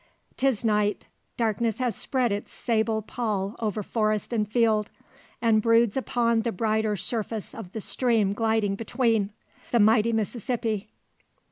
'Tis night. Darkness has spread its sable pall over forest and field, and broods upon the brighter surface of the stream gliding between the mighty Mississippi.